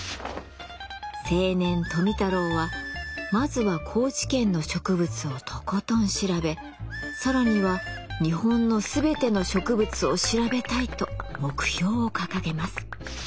青年富太郎はまずは高知県の植物をとことん調べ更には日本の全ての植物を調べたいと目標を掲げます。